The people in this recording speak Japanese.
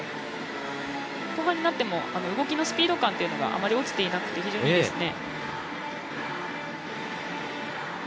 後半になっても動きのスピード感があまり落ちていなくて非常にいいですね。